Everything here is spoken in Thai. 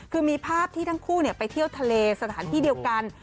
คือมีภาพที่ทั้งคู่ไปเที่ยวทะเลสถานที่เดียวกัน